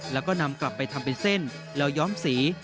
แล้วก็นำกลับไปทำเป็นเส้นแล้วย้อมสี